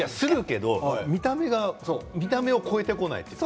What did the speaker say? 見た目を超えてこないというか。